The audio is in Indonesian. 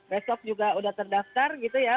besok juga udah terdaftar gitu ya